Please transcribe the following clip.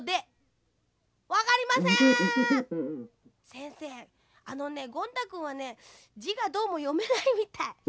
せんせいあのねゴン太くんはねじがどうもよめないみたい。